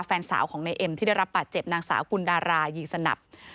แฟนสาวของในเอ็มที่ได้รับบาดเจ็บนางสาวกุลดารายีสนับ